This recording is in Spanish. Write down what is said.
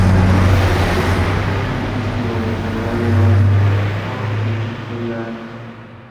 Obtiene el título del Torneo de Bangkok en Tailandia.